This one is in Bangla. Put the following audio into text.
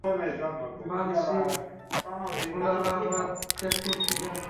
বানশি, গুলাহাবাদ চেকপোস্টে যা।